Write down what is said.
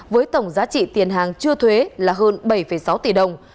với tổng giá trị tiền hàng chưa thuế là hơn bảy sáu tỷ đồng